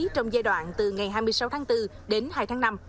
trong giai đoạn từ ngày hai mươi sáu tháng bốn đến hai tháng năm